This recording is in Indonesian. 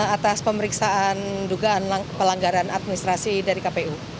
atas pemeriksaan dugaan pelanggaran administrasi dari kpu